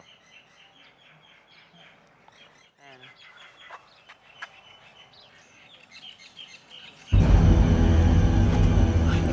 แม่มัน